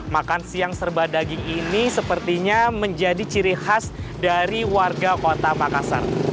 makan siang serba daging ini sepertinya menjadi ciri khas dari warga kota makassar